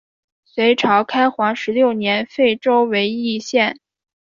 隋朝开皇十六年废州为易县。